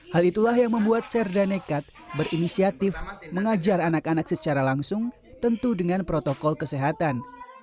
hal itulah yang membuat serda nekat berinisiatif mengajar anak anak secara langsung tentu dengan protokol kesehatan